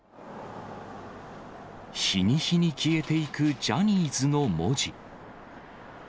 日に日に消えていくジャニーズの文字。